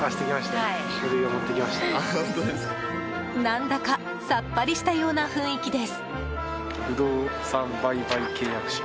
何だかさっぱりしたような雰囲気です。